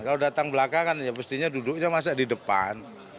kalau datang belakangan ya pastinya duduknya masa di depan